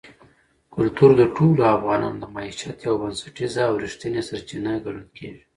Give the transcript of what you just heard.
کلتور د ټولو افغانانو د معیشت یوه بنسټیزه او رښتینې سرچینه ګڼل کېږي.